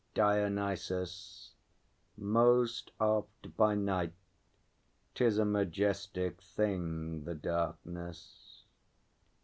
DIONYSUS. Most oft by night; 'tis a majestic thing, The darkness.